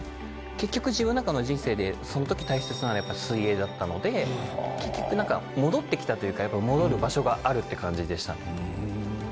結局自分の中の人生でその時大切なのはやっぱ水泳だったので結局なんか戻ってきたというか戻る場所があるって感じでした。